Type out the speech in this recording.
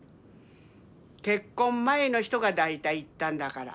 結婚前の人が大体行ったんだから。